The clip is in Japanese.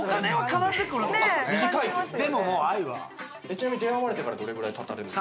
ちなみに出会われてからどれぐらい経たれるんでしょう？